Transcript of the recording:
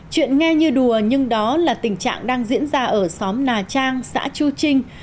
chuyện nghe như đùa nhưng đó là tình trạng đang diễn ra ở xóm nà trang xã chu trinh